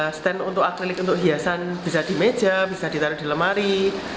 ada kulkas ada stand untuk akrilik untuk hiasan bisa di meja bisa ditaruh di lemari